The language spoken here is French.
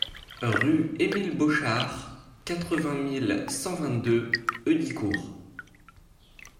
Rue Émile Bauchart, quatre-vingt mille cent vingt-deux Heudicourt